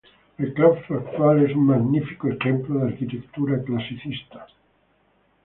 El claustro actual es un magnífico ejemplo de arquitectura clasicista.